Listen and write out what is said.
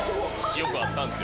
よくあったんですよ。